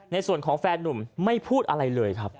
ในส่วนของแฟนนุ่มไม่พูดอะไรเลยครับ